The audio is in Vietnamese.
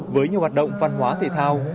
với nhiều hoạt động văn hóa thể thao